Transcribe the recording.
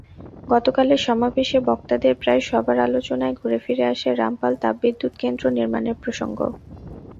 গতকালের সমাবেশে বক্তাদের প্রায় সবার আলোচনায় ঘুরেফিরে আসে রামপাল তাপবিদ্যুৎকেন্দ্র নির্মাণের প্রসঙ্গ।